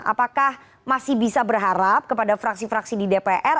apakah masih bisa berharap kepada fraksi fraksi di dpr